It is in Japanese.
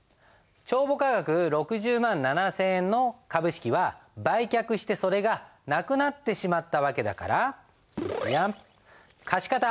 帳簿価額６０万７，０００円の株式は売却してそれがなくなってしまった訳だから貸方